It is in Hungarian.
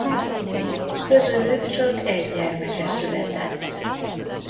Közülük csak egy gyermeke született.